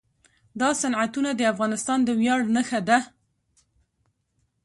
دا صنعتونه د افغانستان د ویاړ نښه ده.